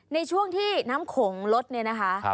ในช่วงที่น้ำโขงลดเนี่ยนะคะ